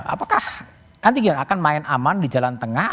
apakah nanti dia akan main aman di jalan tengah